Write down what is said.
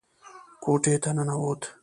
کوټې ته ننوت.